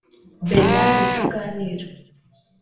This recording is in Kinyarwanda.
Bernard Rutaganira